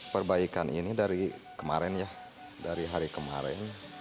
perbaikan ini dari kemarin ya dari hari kemarin